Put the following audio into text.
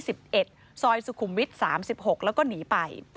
ซอยสุขุมวิทย์๓๖แล้วก็หนีไป